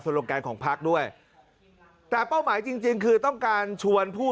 โลแกนของพักด้วยแต่เป้าหมายจริงจริงคือต้องการชวนผู้